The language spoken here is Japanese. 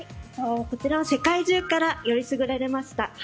こちらは世界中から選りすぐりました